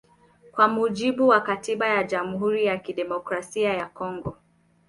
Kwa mujibu wa katiba ya Jamhuri ya Kidemokrasia ya Kongo